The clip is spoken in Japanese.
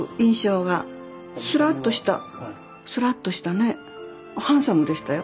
スラッとしたスラッとしたねハンサムでしたよ。